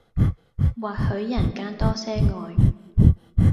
或許人間多些愛